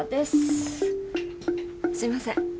すみません。